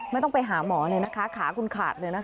ไม่ต้องไปหาหมอเลยนะคะขาคุณขาดเลยนะคะ